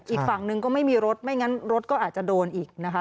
อีกฝั่งหนึ่งก็ไม่มีรถไม่งั้นรถก็อาจจะโดนอีกนะคะ